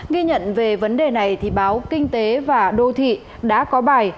ghi nhận về vấn đề này thì báo kinh tế và đô thị đã có bài